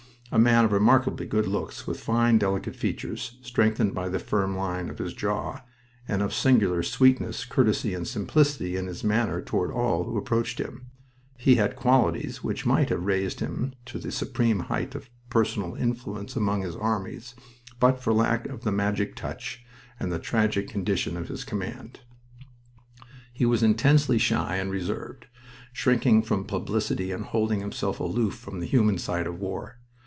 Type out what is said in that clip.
A man of remarkably good looks, with fine, delicate features, strengthened by the firm line of his jaw, and of singular sweetness, courtesy, and simplicity in his manner toward all who approached him, he had qualities which might have raised him to the supreme height of personal influence among his armies but for lack of the magic touch and the tragic condition of his command. He was intensely shy and reserved, shrinking from publicity and holding himself aloof from the human side of war.